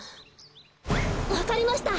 わかりました。